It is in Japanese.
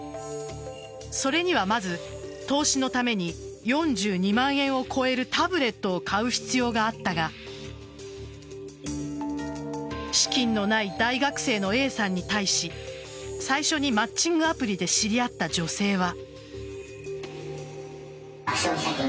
それにはまず、投資のために４２万円を超えるタブレットを買う必要があったが資金のない大学生のＡさんに対し最初にマッチングアプリで知り合った女性は。